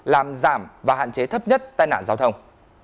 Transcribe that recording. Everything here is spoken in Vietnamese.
làm giảm và hạn chế thấp nhất tai nạn giao thông